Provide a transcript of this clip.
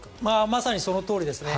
まさにそのとおりですね。